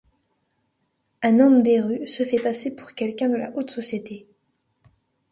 Un homme des rues se fait passer pour quelqu'un de la haute société.